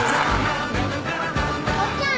おっちゃん